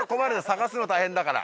捜すの大変だから。